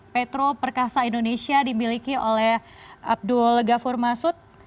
petro perkasa indonesia dimiliki oleh abdul ghafur masud